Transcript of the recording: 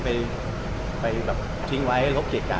หรือว่ายังอุ้มยังอยากมีชอบใจไม่ได้